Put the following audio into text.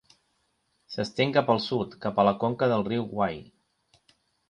S'estén cap al sud, cap a la conca del riu Wye.